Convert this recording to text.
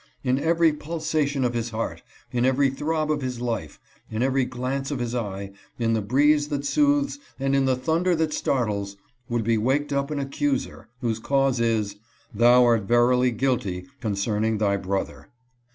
In every pulsation of his heart, in every throb of his life, in every glance of his eye, in the breeze that soothes, and in the thunder that startles, would be waked up an accuser, whose cause is, ' thou art verily guilty concerning thy brother.'